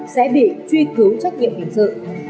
sẽ bị truy cứu trách nhiệm hình sự